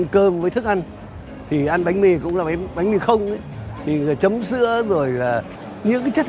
kính chào tạm biệt quý vị